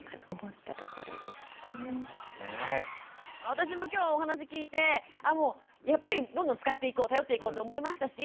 私も今日お話聞いてもうやっぱりどんどん使っていこう頼っていこうって思いましたし